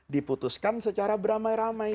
diputuskan secara beramai ramai